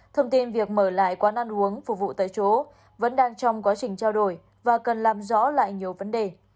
thông tin việc mở lại quán ăn uống phục vụ tại chỗ vẫn đang trong quá trình trao đổi và cần làm rõ lại nhiều vấn đề